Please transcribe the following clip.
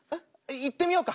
いってみようか。